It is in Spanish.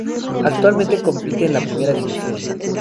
Actualmente compite en la Primera División.